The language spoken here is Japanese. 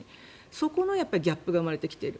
そこのギャップが生まれてきている。